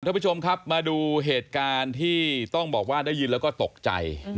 ท่านผู้ชมครับมาดูเหตุการณ์ที่ต้องบอกว่าได้ยินแล้วก็ตกใจ